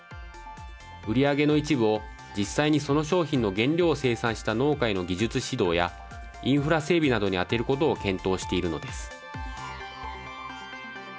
売り上げの一部を、実際にその商品の原料を生産した農家への技術指導やインフラ整備などに充てることを検討しているのです。